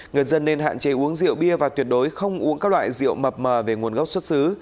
người dân nên hạn chế uống rượu bia và tuyệt đối không uống các loại rượu mập mờ về nguồn gốc xuất xứ